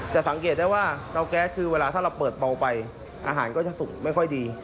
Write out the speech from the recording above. สังเกตได้ว่าเตาแก๊สคือเวลาถ้าเราเปิดเบาไปอาหารก็จะสุกไม่ค่อยดี